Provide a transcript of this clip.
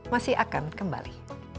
masih akan kembali